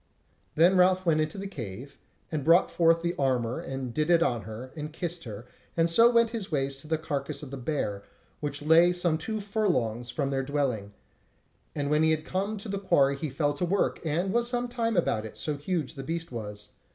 Then went Ralph into the cave, and brought forth the armour and did it on her, and kissed her, and so went his ways to the carcase of the bear, which lay some two furlongs from their dwelling; and when he came to the quarry he fell to work, and was some time about it, so huge as the beast was.